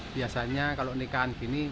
biasanya kalau pernikahan gini